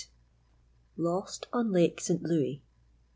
*LOST ON LAKE ST. LOUIS.